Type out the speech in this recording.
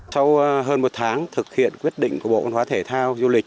sau hơn một tháng thực hiện quyết định của bộ văn hóa thể thao du lịch